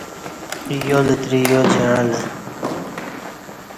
یالتری یا جعݩلہ